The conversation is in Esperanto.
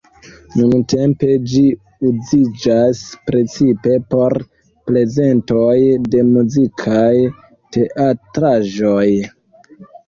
Nuntempe ĝi uziĝas precipe por prezentoj de muzikaj teatraĵoj.